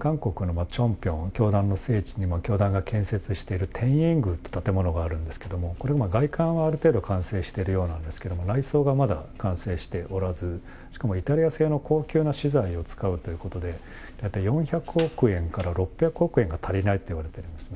韓国のチョンピョン、教団の聖地にも設置している天苑宮という建物があるんですけども、これも外観はある程度、完成してるようなんですけれども、内装がまだ完成しておらず、しかもイタリア製の高級な資材を使うということで、大体４００億円から６００億円が足りないといわれているんですね。